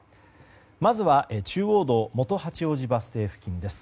まずは中央道元八王子バス停付近です。